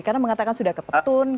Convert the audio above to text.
karena mengatakan sudah kepetun